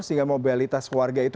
sehingga mobilitas keluarga itu